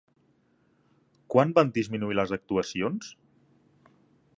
Quan van disminuir les actuacions?